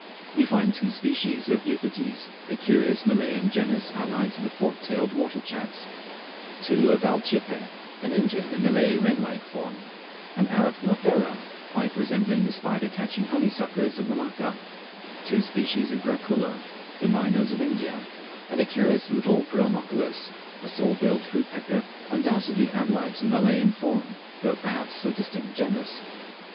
We find two species of Eupetes, a curious Malayan genus allied to the forked tail water chats; two of Alcippe, an Indian and Malay wren like form; an Arachnothera, quite resembling the spider catching honeysuckers of Malacca; two species of Gracula, the Mynahs of India; and a curious little black Prionochilus, a saw billed fruit pecker, undoubtedly allied to the Malayan form, although perhaps a distinct genus.